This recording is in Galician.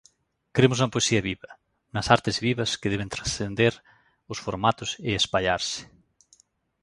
Cremos na poesía viva, nas artes vivas que deben transcender os formatos e espallarse.